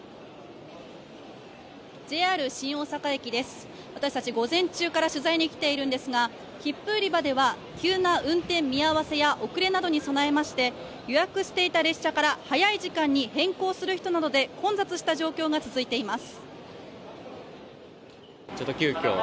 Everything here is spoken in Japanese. ＪＲ新大阪駅です私たち、午前中から取材に来ているんですが切符売り場では急な運転見合わせや遅れなどに備えまして予約していた列車から早い時間に変更する人などで混雑した状況が続いています